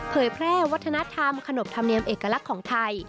เผยแพร่วัฒนธรรมขนบธรรมเนียมเอกลักษณ์ของไทย